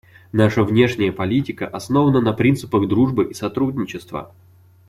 Наша внешняя политика основана на принципах дружбы и сотрудничества.